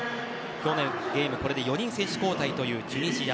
今日のゲームはこれで４人選手交代のチュニジア。